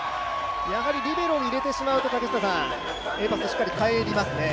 やはりリベロに入れてしまうとしっかり返りますね。